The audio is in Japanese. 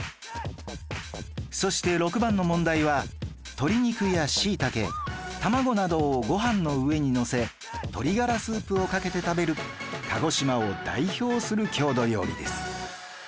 そして６番の問題は鶏肉や椎茸卵などをご飯の上にのせ鶏がらスープをかけて食べる鹿児島を代表する郷土料理です